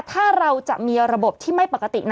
ถ้าเราจะมีระบบที่ไม่ปกติ